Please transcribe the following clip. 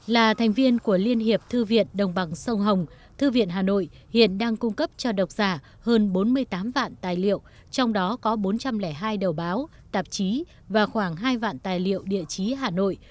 là thành viên của liên hiệp thư viện đồng bằng sông hồng thư viện hà nội hiện đang cung cấp cho độc giả hơn bốn mươi tám vạn tài liệu trong đó có bốn trăm linh hai đầu báo tạp chí và khoảng hai vạn tài liệu địa chí hà nội